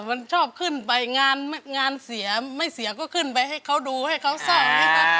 มันชอบขึ้นไปงานเสียไม่เสียก็ขึ้นไปให้เขาดูให้เขาเศร้า